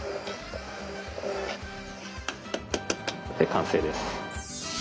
完成です。